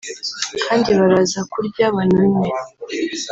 kandi baraza kurya bananywe